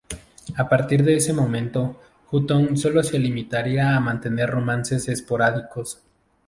A partir de este momento Hutton solo se limitaría a mantener romances esporádicos.